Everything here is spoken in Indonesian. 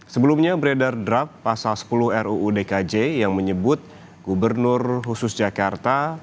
sebelumnya beredar draft pasal sepuluh ruu dkj yang menyebut gubernur khusus jakarta